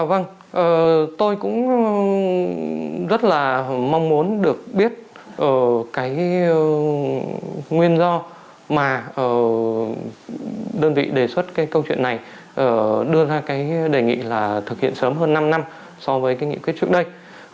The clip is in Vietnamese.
vâng tôi cũng rất là mong muốn được biết cái nguyên do mà đơn vị đề xuất cái câu chuyện này đưa ra cái đề nghị là thực hiện sớm hơn năm năm so với cái nghị quyết trước đây